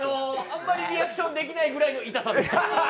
あんまりリアクションできないぐらいの痛さでした。